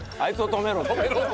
「止めろ」って。